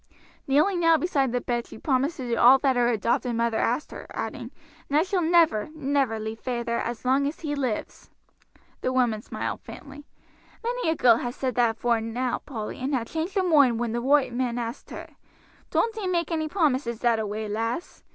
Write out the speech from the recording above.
Kneeling now beside the bed she promised to do all that her adopted mother asked her, adding, "and I shall never, never leave feyther as long as he lives." The woman smiled faintly. "Many a girl ha' said that afore now, Polly, and ha' changed her moind when the roight man asked her. Don't ee make any promises that away, lass.